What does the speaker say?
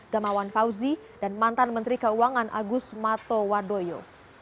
gamawan fauzi dan mantan menteri keuangan agus matowadoyo